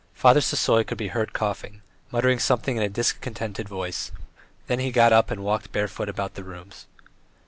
Father Sisoy could be heard coughing, muttering something in a discontented voice, then he got up and walked barefoot about the rooms.